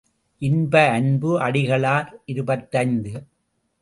இன்ப அன்பு அடிகளார் இருபத்தைந்து.